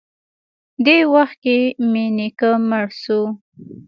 دې وخت کښې مې نيکه مړ سو.